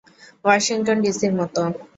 Washington ডিসির মত।